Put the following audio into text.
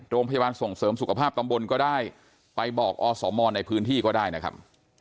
โรงพยาบาลส่งเสริมสุขภาพตำบลก็ได้ไปบอกอสมในพื้นที่ก็ได้นะครับ